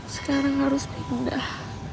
sekarang harus pindah